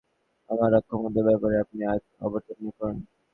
আমার অক্ষমতার ব্যাপারে আপনি আয়াত অবতীর্ণ করুন।